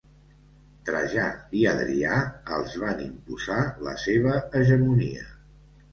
Trajà i Adrià els van imposar la seva hegemonia.